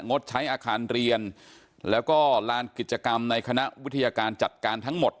งดใช้อาคารเรียนแล้วก็ลานกิจกรรมในคณะวิทยาการจัดการทั้งหมด